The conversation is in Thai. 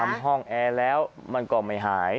ทำห้องแอร์แล้วมันก็ไม่หาย